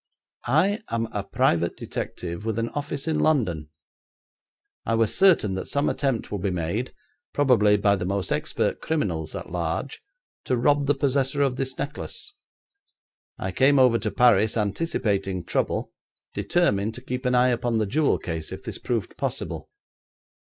I am a private detective, with an office in London. I was certain that some attempt would be made, probably by the most expert criminals at large, to rob the possessor of this necklace. I came over to Paris, anticipating trouble, determined to keep an eye upon the jewel case if this proved possible.